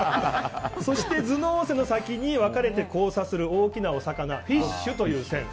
頭脳線の先に分かれて交差する大きなお魚フィッシュという線。